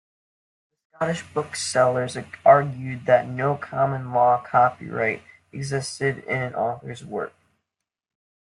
The Scottish booksellers argued that no common law copyright existed in an author's work.